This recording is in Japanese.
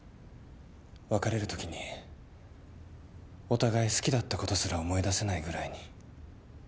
別れるときにお互い好きだったことすら思い出せないぐらいに。